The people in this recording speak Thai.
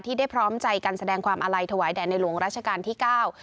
ได้พร้อมใจกันแสดงความอาลัยถวายแด่ในหลวงราชการที่เก้า